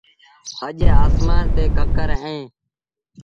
اَڄ آسمآݩ تي ڪڪر اهيݩ